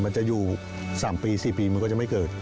มันจะอยู่๓ปี๔ปีมันก็จะไม่เกิด